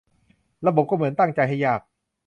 ระบบก็เหมือนตั้งใจให้ยาก